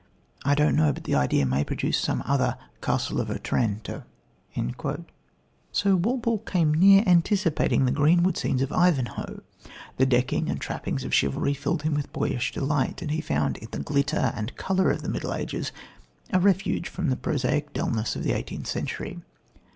I don't know, but the idea may produce some other Castle of Otranto." So Walpole came near to anticipating the greenwood scenes of Ivanhoe. The decking and trappings of chivalry filled him with boyish delight, and he found in the glitter and colour of the middle ages a refuge from the prosaic dullness of the eighteenth century.